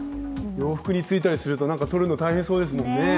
洋服についたりすると、取るの大変そうですもんね。